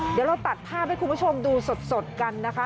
เดี๋ยวเราตัดภาพให้คุณผู้ชมดูสดกันนะคะ